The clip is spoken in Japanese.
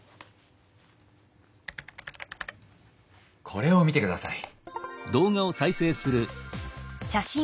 これを見てください。